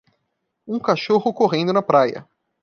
Um cachorro correndo na praia.